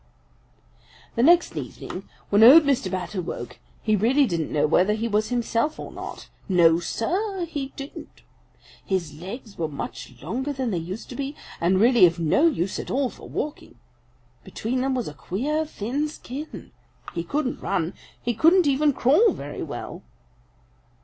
"The next evening when old Mr. Bat awoke, he really didn't know whether he was himself or not. No, Sir, he didn't. His legs were much longer than they used to be and really of no use at all for walking. Between them was a queer thin skin. He couldn't run. He couldn't even crawl very well.